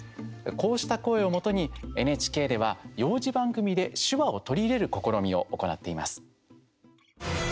こうした声をもとにＮＨＫでは幼児番組で手話を取り入れる試みを行っています。